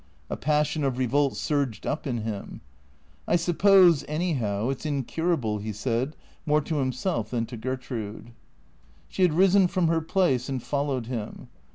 A passion of revolt surged up in him. " I suppose, anyhow, it 's incurable," he said, more to himself than to Gertrude. She had risen from her place and followed him.